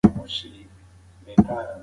ایا ستاسو په کلي کې لا هم دودیزه نڅا کیږي؟